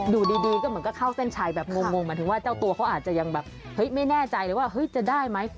อยู่ดีก็เหมือนก็เข้าเส้นชัยแบบงงหมายถึงว่าเจ้าตัวเขาอาจจะยังแบบเฮ้ยไม่แน่ใจเลยว่าเฮ้ยจะได้ไหม